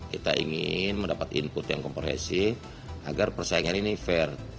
kita ingin mendapat input yang komprehensif agar persaingan ini fair